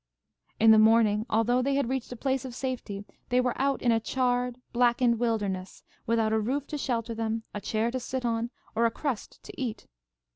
In the morning, although they had reached a place of safety, they were out in a charred, blackened wilderness, without a roof to shelter them, a chair to sit on, or a crust to eat.